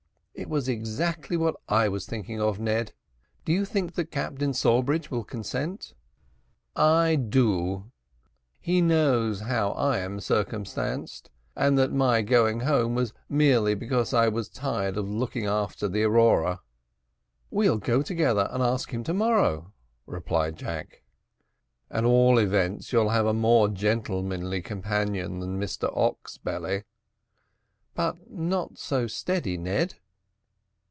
"It is exactly what I was thinking of, Ned. Do you think that Captain Sawbridge will consent?" "I do; he knows how I am circumstanced, and that my going home was merely because I was tired of looking after the Aurora." "We'll go together and ask him to morrow," replied Jack. "At all events, you'll have a more gentlemanly companion than Mr Oxbelly." "But not so steady, Ned."